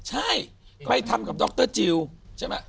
ใช่ไปทำกับดรจิลใช่ไหม